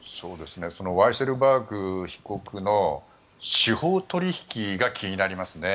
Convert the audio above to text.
ワイセルバーグ被告の司法取引が気になりますね。